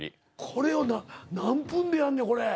これを何分でやんねんこれ。